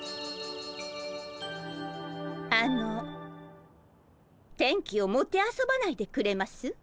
あの天気をもてあそばないでくれます？